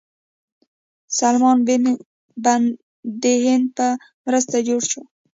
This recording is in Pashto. سلما بند د هند په مرسته جوړ شو